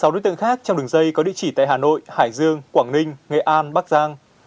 sáu đối tượng khác trong đường dây có địa chỉ tại hà nội hải dương quảng ninh nghệ an bắc giang